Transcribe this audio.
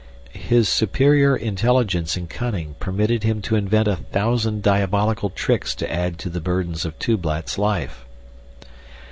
His superior intelligence and cunning permitted him to invent a thousand diabolical tricks to add to the burdens of Tublat's life.